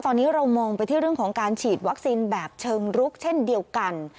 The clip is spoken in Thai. ตอนนี้เรามองไปที่เรื่องของการฉีดวัคซีนแบบเชิงรุกเช่นเดียวกัน